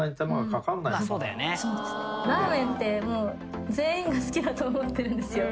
ラーメンって全員が好きだと思ってるんですよ。